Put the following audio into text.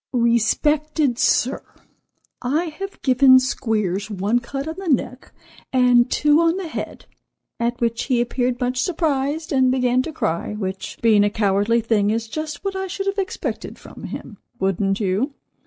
"Respected Sir: I have given Squeers one cut on the neck, and two on the head, at which he appeared much surprised, and began to cry, which, being a cowardly thing, is just what I should have expected from him—wouldn't you?